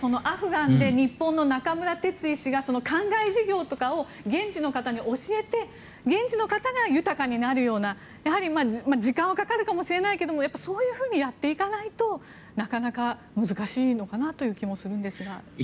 アフガンで日本の中村逸郎医師が灌漑事業とかを現地の方に教えて現地の方が豊かになるような時間はかかるかもしれないけどそういうふうにやっていかないとなかなか難しいのかなという気もするんですが。